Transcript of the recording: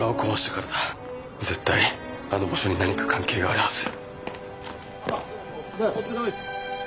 絶対あの場所に何か関係があるはず。